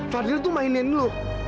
fadil tuh mainin lu